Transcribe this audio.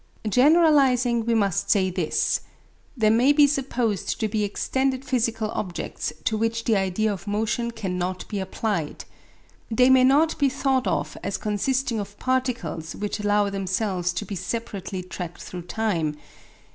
Generalising we must say this: There may be supposed to be extended physical objects to which the idea of motion cannot be applied. They may not be thought of as consisting of particles which allow themselves to be separately tracked through time.